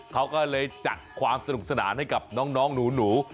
เขาก็เลยจัดความสนุกสนานให้กับน้องหนู